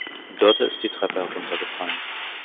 Dörte ist die Treppe heruntergefallen.